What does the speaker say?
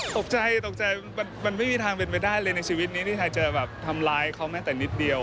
ตกใจตกใจมันไม่มีทางเป็นไปได้เลยในชีวิตนี้ที่ไทยจะแบบทำร้ายเขาแม้แต่นิดเดียว